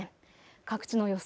各地の予想